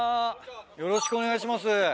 よろしくお願いします。